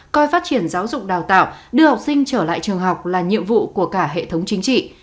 coi phát triển giáo dục đào tạo đưa học sinh trở lại trường học là nhiệm vụ của cả hệ thống chính trị